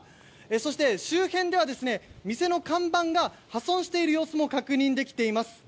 そして、周辺では店の看板が破損している様子も確認できています。